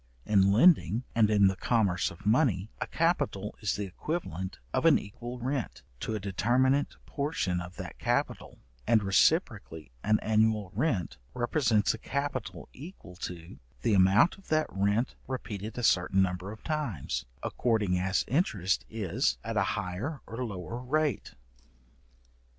In lending, and in the commerce of money, a capital is the equivalent of an equal rent, to a determinate portion of that capital; and reciprocally an annual rent represents a capital equal to the amount of that rent repeated a certain number of times, according as interest is at a higher or lower rate.